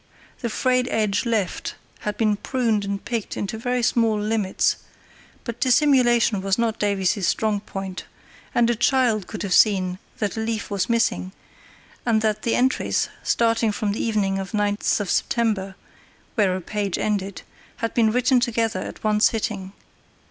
The frayed edge left had been pruned and picked into very small limits; but dissimulation was not Davies's strong point, and a child could have seen that a leaf was missing, and that the entries, starting from the evening of September 9 (where a page ended), had been written together at one sitting.